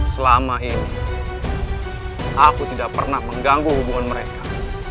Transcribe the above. selama ini aku tidak pernah mengganggu hubungan mereka